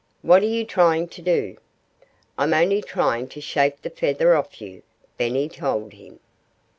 "What are you trying to do?" "I'm only trying to shake the feather off you," Benny told him.